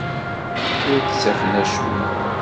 Ur d-ttafen acemma.